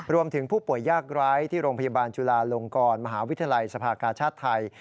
รวมถึงผู้ป่วยยากร้ายที่โรงพยาบาลจุฬาลงกรมหาวิทยาลัยสภากาชาติไทย